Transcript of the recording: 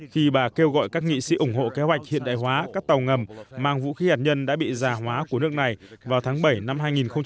khi bà kêu gọi các nghị sĩ ủng hộ kế hoạch hiện đại hóa các tàu ngầm mang vũ khí hạt nhân đã bị già hóa của nước này vào tháng bảy năm hai nghìn một mươi tám